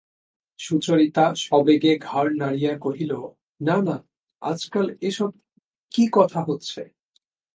সুচরিতা সবেগে ঘাড় নাড়িয়া কহিল, না না, আজকাল এ-সব কী কথা হচ্ছে?